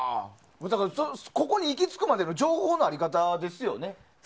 だから、ここに行きつくまでの情報の在り方ですよね。